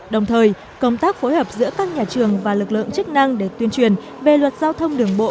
đồng thời công tác phối hợp giữa các nhà trường và lực lượng chức năng để tuyên truyền về luật giao thông đường bộ